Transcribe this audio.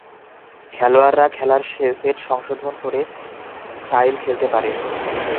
খেলোয়াড়রা খেলার সেট সংশোধন করে টাইল খেলতে পারে।